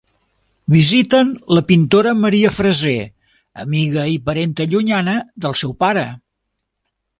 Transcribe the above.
Visiten la pintora Maria Freser, amiga i parenta llunyana del seu pare.